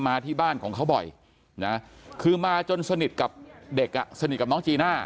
มาที่บ้านของเขาบ่อยนะคือมาจนสนิทกับเด็กอ่ะสนิทกับน้องจีน่า